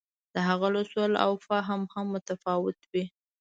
د هغه لوستل او فهم هم متفاوت وي.